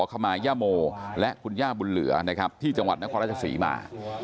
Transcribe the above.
ขมาย่าโมและคุณย่าบุญเหลือนะครับที่จังหวัดนครราชศรีมา